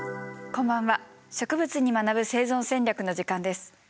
こんばんは「植物に学ぶ生存戦略」の時間です。